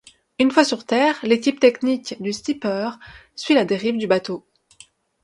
Une fois sur terre, l'équipe technique du skipper suit la dérive du bateau.